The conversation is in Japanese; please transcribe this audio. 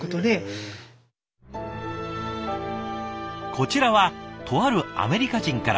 こちらはとあるアメリカ人から。